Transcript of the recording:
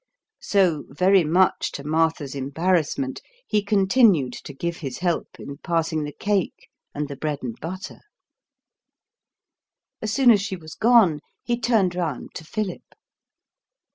So, very much to Martha's embarrassment, he continued to give his help in passing the cake and the bread and butter. As soon as she was gone, he turned round to Philip.